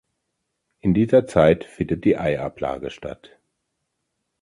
In dieser Zeit findet die Eiablage statt.